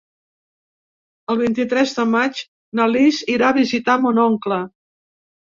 El vint-i-tres de maig na Lis irà a visitar mon oncle.